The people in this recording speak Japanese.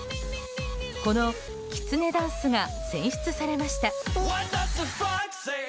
このきつねダンスが選出されました。